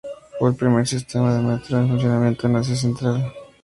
Fue el primer sistema de metro en funcionamiento en Asia central.